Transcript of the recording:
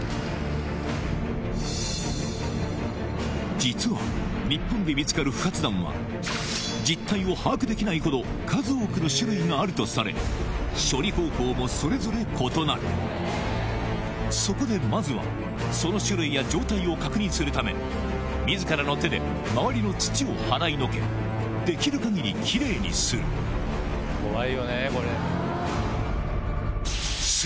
実は日本で見つかる不発弾は実態を把握できないほど数多くの種類があるとされ処理方法もそれぞれ異なるそこでまずはその種類や状態を確認するため自らの手で周りの土を払いのけできる限りキレイにするあっ。